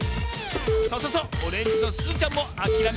そうそうそうオレンジのすずちゃんもあきらめずにつんでるぞ。